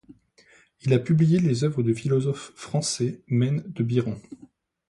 Il a publié les œuvres du philosophe français Maine de Biran.